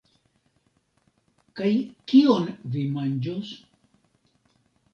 Kaj kion vi manĝos?